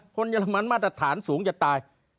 คนเยอรมันมาตรฐานสูงจะตาย